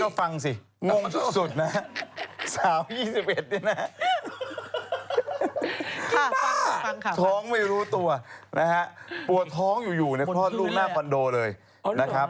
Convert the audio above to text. ก็ฟังสิงงสุดนะฮะสาว๒๑นี่นะฮะท้องไม่รู้ตัวนะฮะปวดท้องอยู่ในคลอดลูกหน้าคอนโดเลยนะครับ